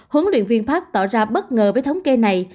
hướng luyện viên park tỏ ra bất ngờ với thống kê này